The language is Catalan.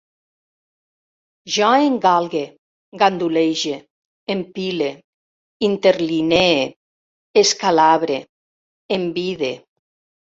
Jo engalgue, gandulege, empile, interlinee, escalabre, envide